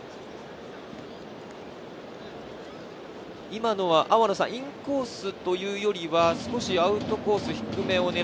今のはインコースというよりは、少しアウトコース